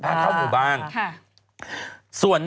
บริเวณนี้เป็นจุดทางร่วมที่ลดลงจากสะพาน